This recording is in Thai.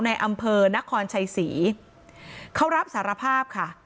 ในอำเภอนครชัยศรีเขารับสารภาพค่ะ